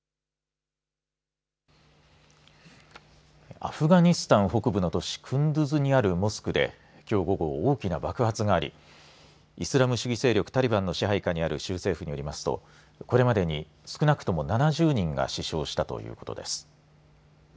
アフガニスタン北部の都市クンドゥズにあるモスクできょう午後、大きな爆発がありイスラム主義勢力タリバンの支配下にある州政府によりますとこれまでに少なくとも７０人が死傷したということです。